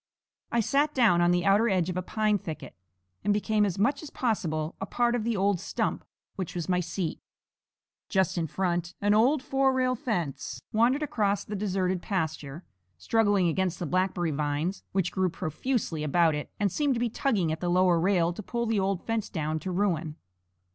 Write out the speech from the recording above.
I sat down on the outer edge of a pine thicket, and became as much as possible a part of the old stump which was my seat. Just in front an old four rail fence wandered across the deserted pasture, struggling against the blackberry vines, which grew profusely about it and seemed to be tugging at the lower rail to pull the old fence down to ruin.